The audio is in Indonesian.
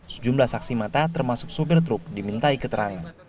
sejumlah saksi mata termasuk sopir truk dimintai keterangan